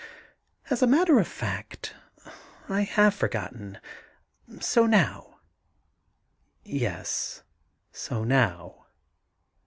As a matter of feet I have forgotten — so now.' *Yes — so now.